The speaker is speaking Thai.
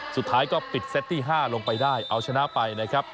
สุดท้ายก็ปิดเซตที่๕ลงไปได้เอาชนะไปนะครับ